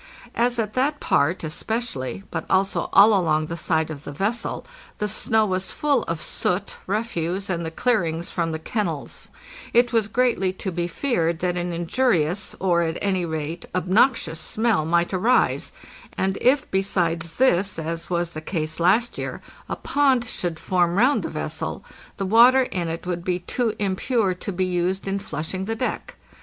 As at that part especially, but also all along the side of the vessel, the snow was full of soot, refuse, and the clearings from the kennels, it was greatly to be feared that an injurious, or, at any rate, obnoxious smell might arise, and if, besides this, as was the case last year, a pond should form round the vessel, the water in it would be too impure to be used in flushing the deck.